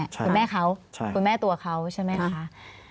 คุณแม่เขาคุณแม่ตัวเขาใช่ไหมคะ